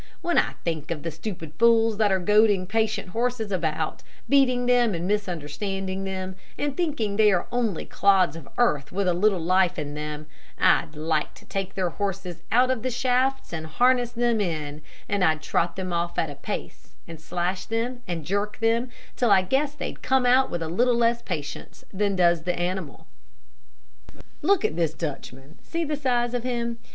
When I think of the stupid fools that are goading patient horses about, beating them and misunderstanding them, and thinking they are only clods of earth with a little life in them, I'd like to take their horses out of the shafts and harness them in, and I'd trot them off at a pace, and slash them, and jerk them, till I guess they'd come out with a little less patience than the animal does. "Look at this Dutchman see the size of him.